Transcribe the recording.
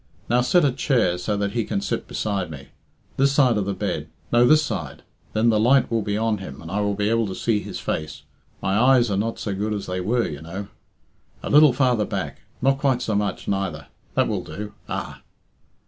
Now set a chair, so that he can sit beside me. This side of the bed no, this side. Then the light will be on him, and I will be able to see his face my eyes are not so good as they were, you know. A little farther back not quite so much, neither that will do. Ah!"